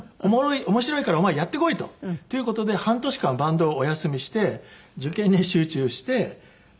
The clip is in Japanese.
面白いからお前やってこいと。っていう事で半年間バンドをお休みして受験に集中して頑張った。